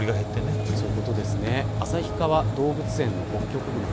旭山動物園のホッキョクグマ